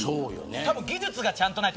技術がちゃんとないと。